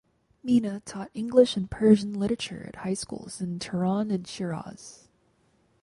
Mina taught English and Persian literature at high schools in Tehran and Shiraz.